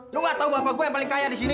lo gak tau bapak gue yang paling kaya disini